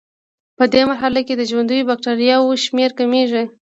پدې مرحله کې د ژوندیو بکټریاوو شمېر کمیږي.